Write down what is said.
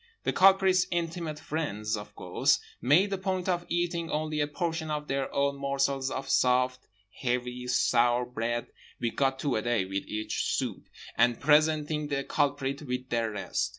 The culprit's intimate friends, of course, made a point of eating only a portion of their own morsels of soft, heavy, sour bread (we got two a day, with each soupe) and presenting the culprit with the rest.